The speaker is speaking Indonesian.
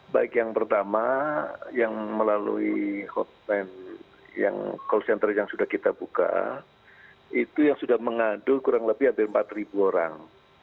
baik yang pertama yang melalui call center yang sudah kita buka itu yang sudah mengadu kurang lebih hampir empat orang